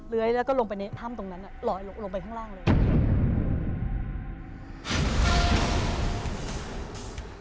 ยแล้วก็ลงไปในถ้ำตรงนั้นลอยลงไปข้างล่างเลย